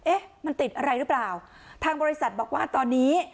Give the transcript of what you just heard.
เอ๊ะมันติดอะไรหรือเปล่าทางบริษัทบอกว่าตอนนี้